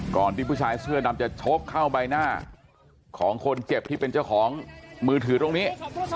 ที่ผู้ชายเสื้อดำจะชกเข้าใบหน้าของคนเจ็บที่เป็นเจ้าของมือถือตรงนี้